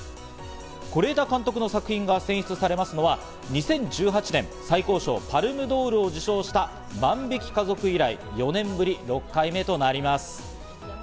是枝監督の作品が選出されますのは２０１８年、最高賞パルムドールを受賞した『万引き家族』以来４年ぶり６回目となります。